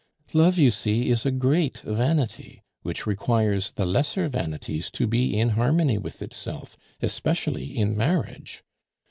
Love, you see, is a great vanity, which requires the lesser vanities to be in harmony with itself especially in marriage.